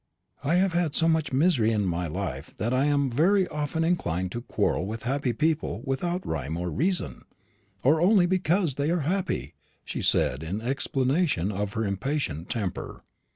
"I have had so much misery in my life, that I am very often inclined to quarrel with happy people without rhyme or reason, or only because they are happy," she said in explanation of her impatient temper.